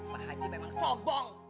pak haji memang sobong